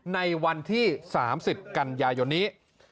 ในวันที่๓๐กันยายนนี้